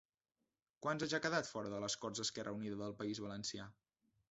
Quants anys ha quedat fora de les corts Esquerra Unida del País Valencià?